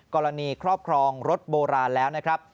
ครอบครองรถโบราณแล้วนะครับ